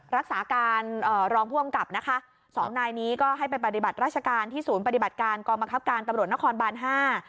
รักษาการเอ่อรองผู้อำกับนะคะสองนายนี้ก็ให้ไปปฏิบัติราชการที่ศูนย์ปฏิบัติการกองบังคับการตำรวจนครบานห้า